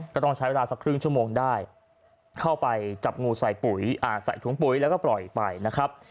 ก็ต้องใช้เวลาสักครึ่งชั่วโมงได้เข้าไปจับงูใส่ปุ๋ยใส่ถุงปุ๋ยแล้วก็ปล่อยไปนะครับ